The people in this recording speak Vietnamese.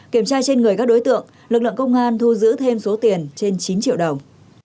kiểm tra trên người các đối tượng lực lượng công an thu giữ thêm số tiền trên chín triệu đồng